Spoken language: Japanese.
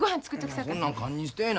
そんなん堪忍してえな。